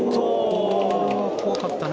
怖かったね。